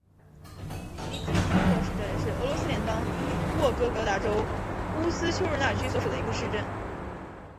尼基福罗沃市镇是俄罗斯联邦沃洛格达州乌斯秋日纳区所属的一个市镇。